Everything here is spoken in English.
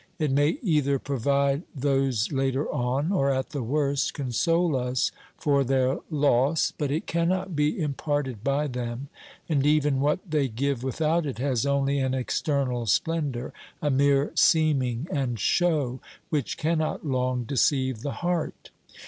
It may either provide those later on, or, at the worst, console us for their loss, but it cannot be imparted by them, and even what they give without it has only an external splendour, a mere seem ing and show which cannot long deceive the heart.